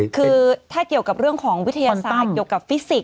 คือถ้าเกี่ยวกับเรื่องของวิทยาศาสตร์เกี่ยวกับฟิสิกส